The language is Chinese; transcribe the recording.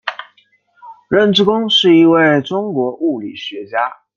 任之恭是一位中国物理学家。